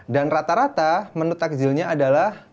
dan rata rata menu takjilnya adalah